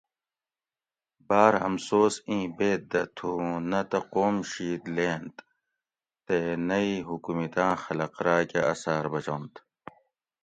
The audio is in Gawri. باۤر امسوس اِیں بیت دہ تُھو اُوں نہ تہ قوم شِید لینت تے نہ ای حُکومتاں خلق راۤ کہ اثاۤر بچنت